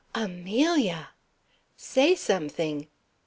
"Amelia!" "Say something."